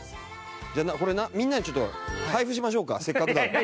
じゃあこれみんなに配布しましょうかせっかくだから。